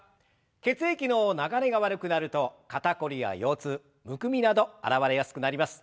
血液の流れが悪くなると肩凝りや腰痛むくみなど現れやすくなります。